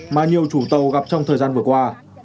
mà nhiều chủ tàu gặp trong thời gian vừa qua